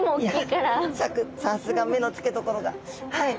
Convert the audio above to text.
さすが目の付けどころがはい。